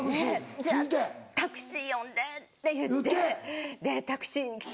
「じゃタクシー呼んで」って言ってでタクシーに来てもらって。